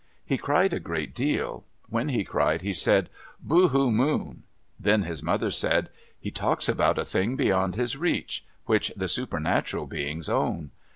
He cried a great deal. When he cried, he said, "Boo hoo, moon!" Then his mother said, "He talks about a thing beyond his reach, which the supernatural beings own."